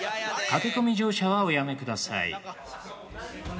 駆け込み乗車はおやめください。